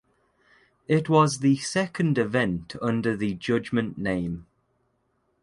It was the second event under the Judgement name.